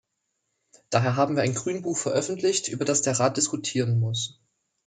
Daher haben wir ein Grünbuch veröffentlicht, über das der Rat diskutieren muss.